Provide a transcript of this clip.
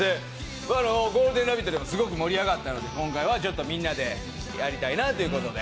この「ゴールデンラヴィット！」でもすごく盛り上がったので今回はみんなでやりたいなということで。